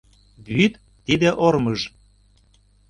Вӱд — тиде ормыж.